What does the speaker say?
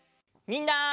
みんな！